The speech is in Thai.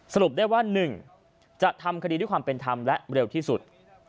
สรุปได้ว่า๑จะทำคดีด้วยความเป็นธรรมและเร็วที่สุด